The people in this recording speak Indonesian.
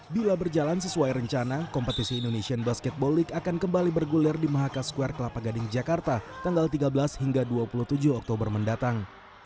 bila berjalan sesuai rencana kompetisi indonesian basketball league akan kembali bergulir di mahaka square kelapa gading jakarta tanggal tiga belas hingga dua puluh tujuh oktober mendatang